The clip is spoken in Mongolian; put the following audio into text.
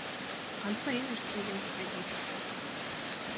Ганцхан энэ орчлонгийн захыг нэг харах юмсан!